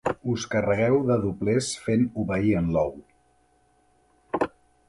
Us carregueu de doblers fent obeir en Lou.